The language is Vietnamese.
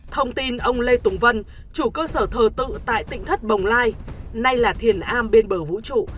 thông tin ông lê tùng vân chủ cơ sở thờ tự tại tỉnh thất bồng lai nay là thiền a bên bờ vũ trụ